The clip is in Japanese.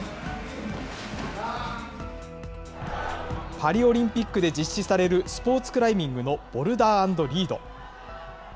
パリオリンピックで実施されるスポーツクライミングのボルダー＆リード。